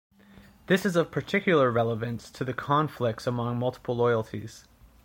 This is of particular relevance to the conflicts among multiple loyalties.